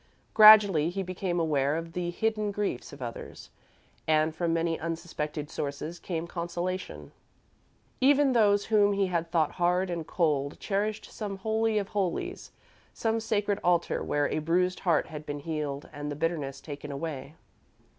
Gradually, he became aware of the hidden griefs of others, and from many unsuspected sources came consolation. Even those whom he had thought hard and cold cherished some holy of holies some sacred altar where a bruised heart had been healed and the bitterness taken away.